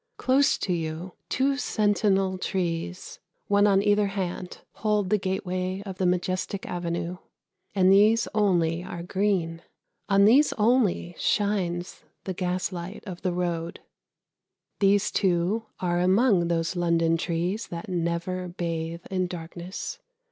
Close to you, two sentinel trees, one on either hand, hold the gateway of the majestic avenue, and these only are green, on these only shines the gaslight of the road. These two are among those London trees that never bathe in darkness.